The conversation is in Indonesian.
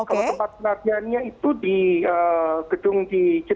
kalau tempat pelatihannya itu di gedung di jalur